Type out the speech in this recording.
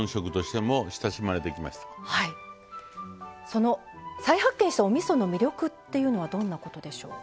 その再発見したおみその魅力っていうのはどんなことでしょう？